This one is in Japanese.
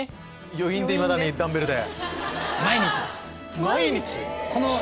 余韻でいまだにダンベルで。